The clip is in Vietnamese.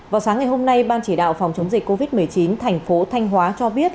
vào sáng ngày hôm nay ban chỉ đạo phòng chống dịch covid một mươi chín thành phố thanh hóa cho biết